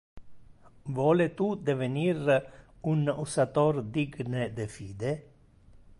Vole tu devenir un usator digne de fide?